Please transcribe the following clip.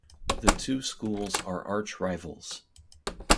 The two schools are archrivals.